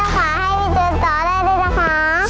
เทวดาเจ้าขาให้พี่จูนตอบได้ด้วยนะคะ